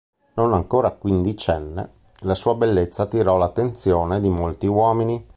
Non ancora quindicenne, la sua bellezza attirò l'attenzione di molti uomini.